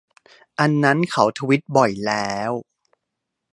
อันนั้นเขาทวิตบ่อยแล้ว